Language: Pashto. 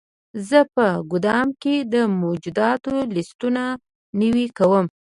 زه په ګدام کې د موجوداتو لیستونه نوي کوم.